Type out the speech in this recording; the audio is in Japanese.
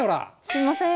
すいません。